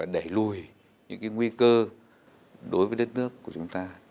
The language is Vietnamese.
đẩy lùi những nguy cơ đối với đất nước của chúng ta